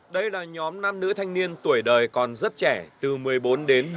đây là nhóm nam nữ thanh niên tuổi đời còn rất trẻ từ một mươi bốn đến một mươi